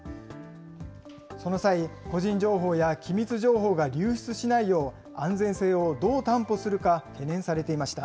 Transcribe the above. その際、個人情報や機密情報が流出しないよう、安全性をどう担保するか、懸念されていました。